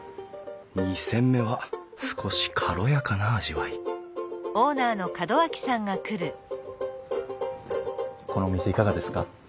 ２煎目は少し軽やかな味わいこの店いかがですか？